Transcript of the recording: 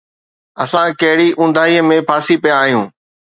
اسان ڪهڙي اونداهي ۾ ڦاسي پيا آهيون؟